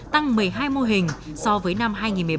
tăng một mươi hai mô hình so với năm hai nghìn một mươi bảy